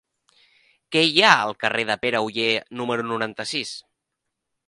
Què hi ha al carrer de Pere Oller número noranta-sis?